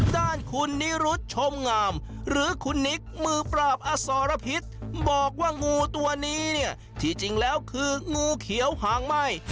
ด้านคุณนิรุธชมงามหรือคุณนิกมือปราบอสรพิษบอกว่างูตัวนี้เนี่ยที่จริงแล้วคืองูเขียวหางไหม้